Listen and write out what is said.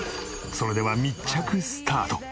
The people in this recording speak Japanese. それでは密着スタート。